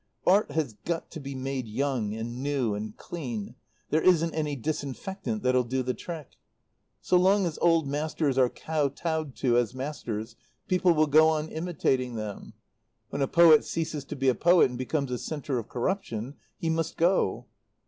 Art has got to be made young and new and clean. There isn't any disinfectant that'll do the trick. So long as old masters are kow towed to as masters people will go on imitating them. When a poet ceases to be a poet and becomes a centre of corruption, he must go."